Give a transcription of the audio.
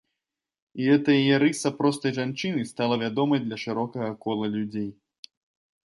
І гэта яе рыса простай жанчынай стала вядомай для шырокага кола людзей.